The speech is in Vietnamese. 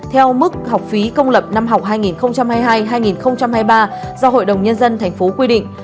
theo mức học phí công lập năm học hai nghìn hai mươi hai hai nghìn hai mươi ba do hội đồng nhân dân tp quy định